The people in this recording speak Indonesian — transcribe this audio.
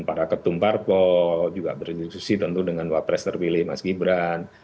para ketum parpol juga berdiskusi tentu dengan wapres terpilih mas gibran